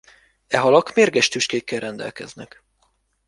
E halak mérges tüskékkel rendelkeznek.